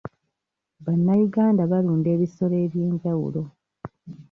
Bannayuganda balunda ebisolo eby'enjawulo.